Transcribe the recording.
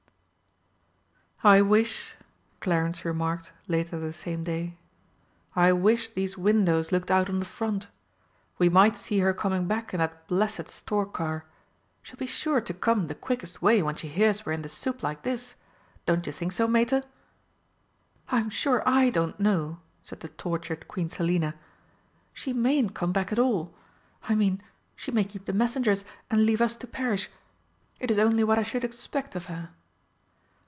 "I wish," Clarence remarked later the same day, "I wish these windows looked out on the front. We might see her coming back in that blessed stork car. She'll be sure to come the quickest way when she hears we're in the soup like this don't you think so, Mater?" "I'm sure I don't know!" said the tortured Queen Selina. "She mayn't come back at all. I mean, she may keep the messengers and leave us to perish. It is only what I should expect of her!"